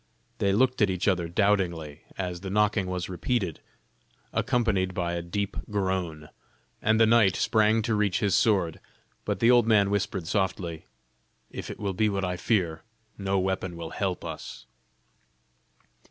They looked at each other doubtingly, as the knocking was repeated accompanied by a deep groan, and the knight sprang to reach his sword. But the old man whispered softly: "If it be what I fear, no weapon will help us."